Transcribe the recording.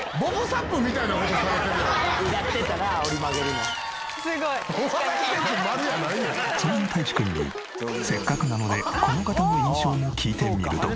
そんなたいちくんにせっかくなのでこの方の印象も聞いてみると。